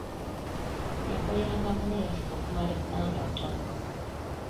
Yakolera gavumenti okumala ebbanga ttono.